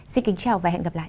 xin kính chào và hẹn gặp lại